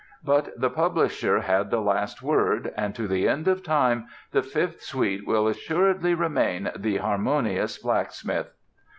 But the publisher had the last word and to the end of time the Fifth Suite will assuredly remain "The Harmonious Blacksmith."